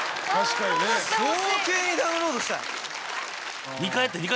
・早急にダウンロードしたい。